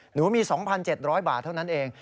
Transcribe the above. หนูมี๒๗๐๐บาทเท่านั้นเอง